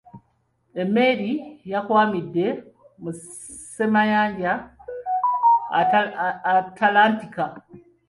Emmeeri yakwamidde mu ssemayanja Atalantika.